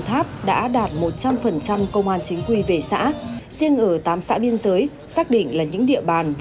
tháp đã đạt một trăm linh công an chính quy về xã riêng ở tám xã biên giới xác định là những địa bàn